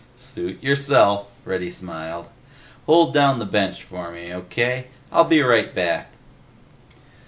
"Suit yourself," Freddy smiled. "Hold down the bench for me, O.K.? I'll be right back."